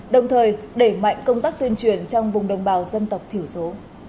đồng thời đẩy mạnh công tác tuyên truyền trong vùng đồng bào dân tộc thiểu số